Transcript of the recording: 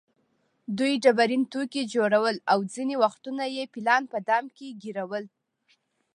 دوی ډبرین توکي جوړول او ځینې وختونه یې فیلان په دام کې ګېرول.